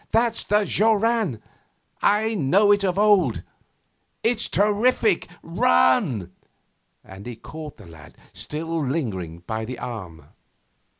'That's the joran! I know it of old! It's terrific. Run!' And he caught the lad, still lingering, by the arm.